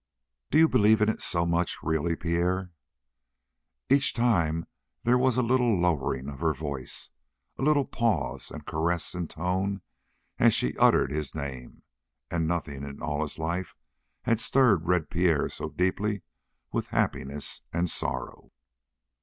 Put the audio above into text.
"Do you believe in it so much really Pierre?" Each time there was a little lowering of her voice, a little pause and caress in the tone as she uttered his name, and nothing in all his life had stirred Red Pierre so deeply with happiness and sorrow.